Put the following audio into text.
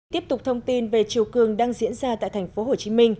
tiếp tục thông tin về chiều cường đang diễn ra tại tp hcm